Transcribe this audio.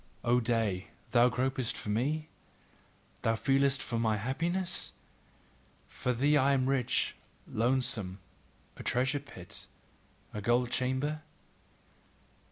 O day, thou gropest for me? Thou feelest for my happiness? For thee am I rich, lonesome, a treasure pit, a gold chamber?